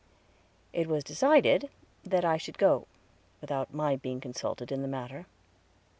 It was decided that I should go, without my being consulted in the matter.